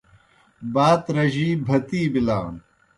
بات رجِی بھتِی بِلان۔